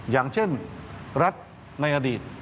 อย่างเช่นรัฐในอดีต